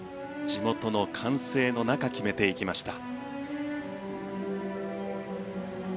地元の歓声の中決めていきました。